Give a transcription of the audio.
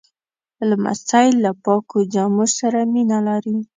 لمسی له پاکو جامو سره مینه لري.